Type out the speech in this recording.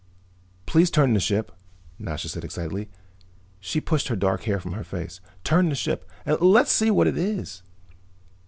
"Please turn the ship," Nasha said excitedly. She pushed her dark hair from her face. "Turn the ship and let's see what it is!"